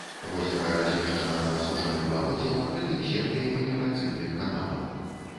Возера размешчана на асушаным балоце, пакрытым сеткай меліярацыйных каналаў.